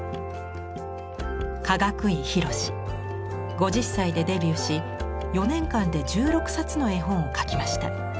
５０歳でデビューし４年間で１６冊の絵本を描きました。